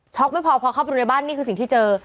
ไม่พอพอเข้าไปดูในบ้านนี่คือสิ่งที่เจอ